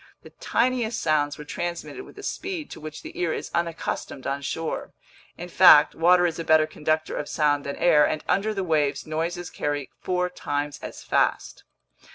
The tiniest sounds were transmitted with a speed to which the ear is unaccustomed on shore. In fact, water is a better conductor of sound than air, and under the waves noises carry four times as fast.